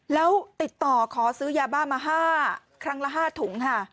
แล้วติดต่อขอซื้อยาบ้ามา๕ทุ่งค่ะ